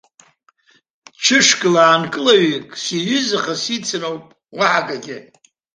Ҽышькыл аанкылаҩык сиҩызаха сицын ауп, уаҳа акгьы.